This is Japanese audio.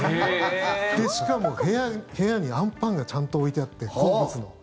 しかも部屋にあんパンがちゃんと置いてあって、好物の。